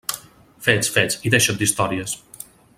Fets, fets, i deixa't d'històries.